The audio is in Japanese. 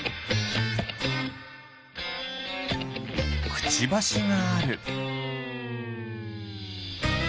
くちばしがある。